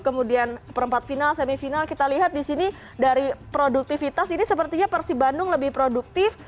kemudian perempat final semifinal kita lihat di sini dari produktivitas ini sepertinya persib bandung lebih produktif